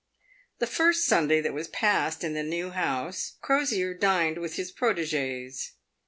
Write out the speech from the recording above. The first Sunday that was passed in the new house, Crosier dined with his protegees.